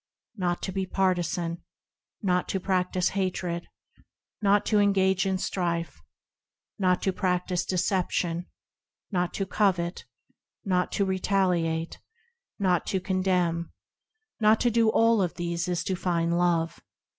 Not to be a partisan, Not to practise hatred, Not to engage in strife, Not to practise deception, Not to covet, Not to retaliate, Not to condemn,– Not to do all these is to find Love.